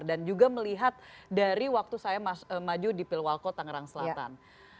dan juga melihat dari waktu saya maju di pilwalco tangerang selatan